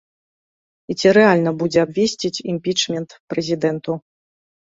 І ці рэальна будзе абвесціць імпічмент прэзідэнту.